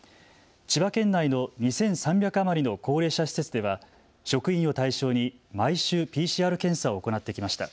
千葉県内の２３００余りの高齢者施設では職員を対象に毎週、ＰＣＲ検査を行ってきました。